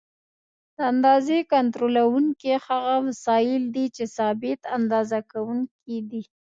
د اندازې کنټرولوونکي هغه وسایل دي چې ثابت اندازه کوونکي دي.